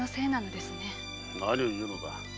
何を言うのだ。